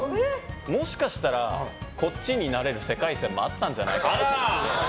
もしかしたらこっちになれる世界線もあったんじゃないかなと。